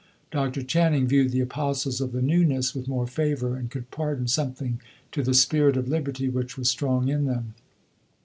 Dr. Channing viewed the "apostles of the newness" with more favor, and could pardon something to the spirit of liberty which was strong in them.